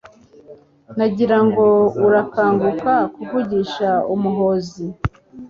Nagira ngo arakaguka, Kuvugisha Umuhozi